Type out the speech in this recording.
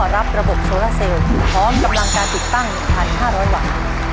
รับระบบโซราเซลพร้อมกำลังการติดตั้ง๑๕๐๐วัน